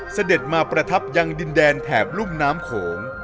เสด็จมาประทับยังดินแดนแถบรุ่มน้ำโขง